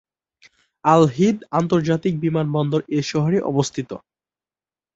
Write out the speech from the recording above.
আল-হিদ আন্তর্জাতিক বিমান বন্দর এ শহরে অবস্থিত।